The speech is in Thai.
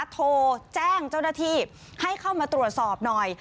โทรแจ้งเจ้าหน้าที่ให้เข้ามาตรวจสอบหน่อย